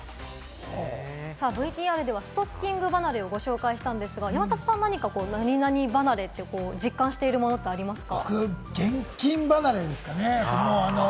ＶＴＲではストッキング離れをご紹介したんですが山里さん、何か何々離れって、実感してるものってありますか？